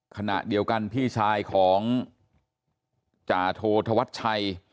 ขณะเดียวกันพี่ชายของจาโทธวัชชัย